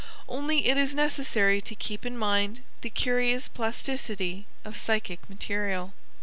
Only it is necessary to keep in mind the curious plasticity of psychic material.